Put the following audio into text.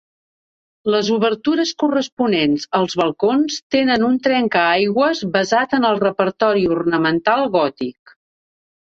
Les obertures corresponents als balcons tenen un trencaaigües basat en el repertori ornamental gòtic.